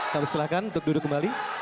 kami silakan untuk duduk kembali